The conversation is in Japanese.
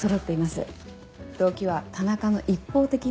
動機は田中の一方的な。